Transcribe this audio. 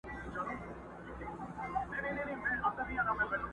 دونه لا نه یم لیونی هوښیاروې مي ولې؛